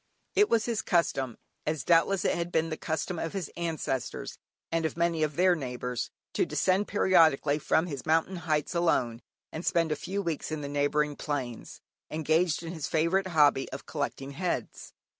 It was his custom (as doubtless it had been the custom of his ancestors, and of many of their neighbours) to descend periodically from his mountain heights alone and spend a few weeks in the neighbouring plains, engaged in his favourite hobby of collecting heads.